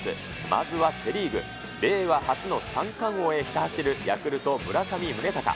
まずはセ・リーグ、令和初の３冠王へひた走るヤクルト、村上宗隆。